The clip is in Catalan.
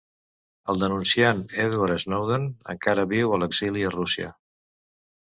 El denunciant Edward Snowden encara viu a l'exili a Rússia.